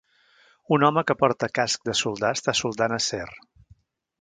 Un home que porta casc de soldar està soldant acer.